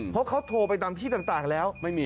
เพราะเขาโทรไปตามที่ต่างแล้วไม่มี